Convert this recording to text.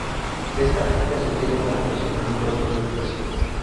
Esta copia sugiere una conexión con un Torso de Éfeso.